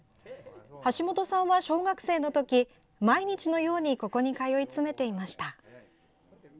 橋本さんは小学生の時毎日のようにここに通い詰めていました。